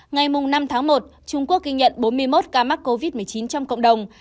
ngày năm tháng một trung quốc ghi nhận bốn mươi một ca mắc covid một mươi chín trong cộng đồng